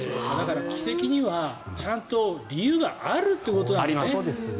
奇跡にはちゃんと理由があるということなんだね。